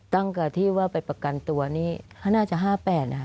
ตั้งแต่ที่ว่าไปประกันตัวนี่น่าจะ๕๘นะคะ